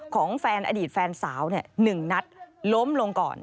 ของแฟนอดีตแฟนสาว๑นัดล้มลงก่อน